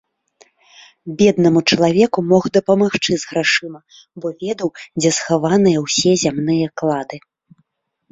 Беднаму чалавеку мог дапамагчы з грашыма, бо ведаў, дзе схаваныя ўсе зямныя клады.